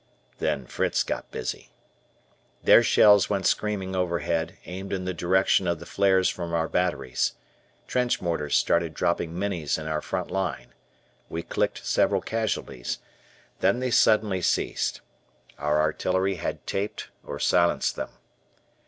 Then Fritz got busy. Their shells went screaming overhead, aimed in the direction of the flares from our batteries. Trench mortars started dropping "Minnies" in our front line. We clicked several casualties. Then they suddenly ceased. Our artillery had taped or silenced them.